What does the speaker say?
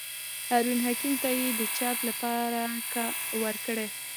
هارون حکیمي ته یې د چاپ لپاره ورکړي.